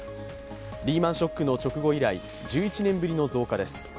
リーマン・ショックの直後以来、１１年ぶりの増加です。